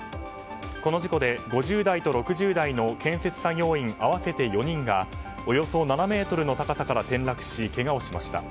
この事故で５０代と６０代の建設作業員合わせて４人がおよそ７ｍの高さから転落しけがをしました。